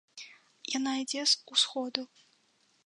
Яна ідзе з усходу.